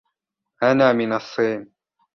أنا من الصين.